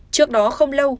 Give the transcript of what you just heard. trước đó không lâu